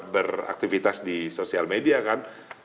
beraktivitas di sosial media kan